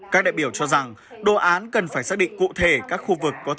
các đại biểu cho rằng đồ án cần phải xác định cụ thể các khu vực